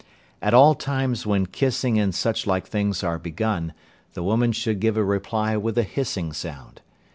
At all times when kissing and such like things are begun, the woman should give a reply with a hissing sound.